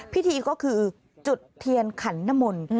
พิธีก็คือจุดเทียนขันนมล